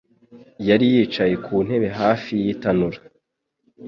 yari yicaye ku ntebe hafi y'itanura.